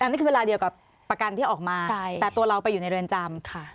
อันนี้คือเวลาเดียวกับประกันที่ออกมาแต่ตัวเราไปอยู่ในเรือนจำ